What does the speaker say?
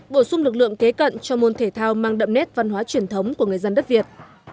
bổ sung lực lượng kế cận cho môn thể thao mang đậm nét văn hóa truyền thống của người dân đất việt